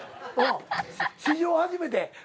史上初めて。